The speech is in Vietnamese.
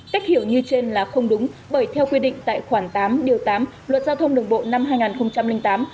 cách hiểu như trên là không đúng bởi theo quy định tại khoảng tám điều tám luật giao thông đường bộ năm hai nghìn tám